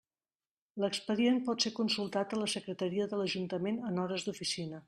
L'expedient pot ser consultat a la Secretaria de l'Ajuntament en hores d'oficina.